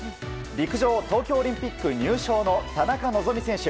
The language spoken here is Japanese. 陸上、東京オリンピック入賞の田中希実選手。